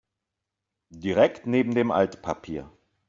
Direkt neben dem Altpapier.